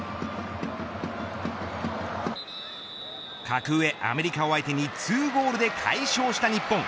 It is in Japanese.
格上アメリカを相手に２ゴールで快勝した日本。